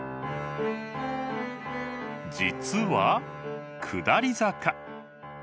実は下り坂。